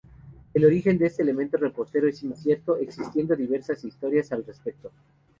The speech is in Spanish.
El origen de este elemento repostero es incierto, existiendo diversas historias al respecto.